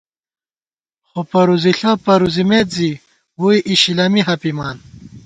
خو پروزِݪہ پروزِمېت زی ، ووئی اِشِلَمی ہَپِمان